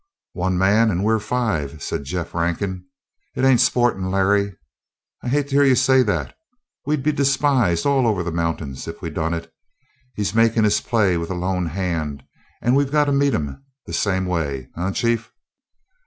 "One man, and we're five," said Jeff Rankin. "It ain't sportin', Larry. I hate to hear you say that. We'd be despised all over the mountains if we done it. He's makin' his play with a lone hand, and we've got to meet him the same way. Eh, chief?"